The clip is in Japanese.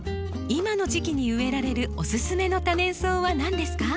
今の時期に植えられるおすすめの多年草は何ですか？